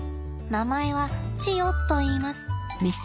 名前はチヨといいます。